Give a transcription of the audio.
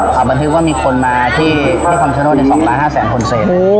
เขาบันทึกว่ามีคนมาที่เกาะคำชโนธใน๒๕๐๐คนเสร็จ